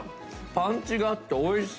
パンチがあっておいしい。